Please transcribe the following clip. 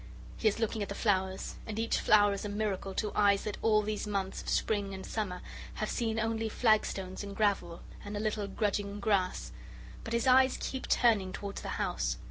He is looking at the flowers, and each flower is a miracle to eyes that all these months of Spring and Summer have seen only flagstones and gravel and a little grudging grass. But his eyes keep turning towards the house.